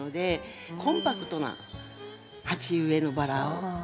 コンパクトな鉢植えのバラを。